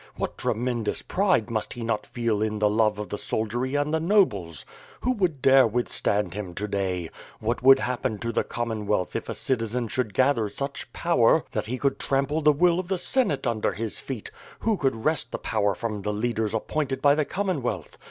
What tremendous pride must he not feel in the love of the soldiery of the nobles! Who would dare withstand him to day? What would happen to the Commonwealth if a citizen should gather such power that he could trample the will of the senate under his feet; who could wrest the power from the leaders appointed by the Commonwealth?